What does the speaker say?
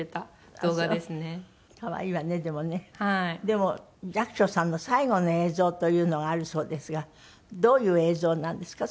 でも寂聴さんの最後の映像というのがあるそうですがどういう映像なんですか？